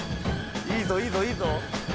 いいぞいいぞいいぞ。